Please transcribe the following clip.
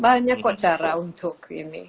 banyak kok cara untuk ini